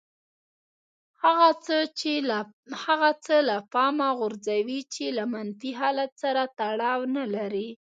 هغه څه له پامه غورځوي چې له منفي حالت سره تړاو نه لري.